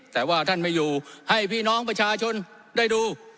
แต่ว่าท่านไม่อยู่ให้พี่น้องประชาชนได้ดู